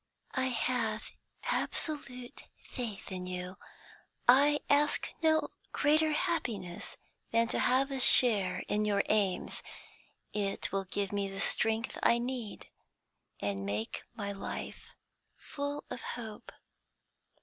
"I have absolute faith in you. I ask no greater happiness than to have a share in your aims. It will give me the strength I need, and make my life full of hope."